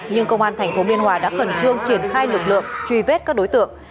nhưng công an tp biên hòa đã khẩn trương triển khai lực lượng truy vết các đối tượng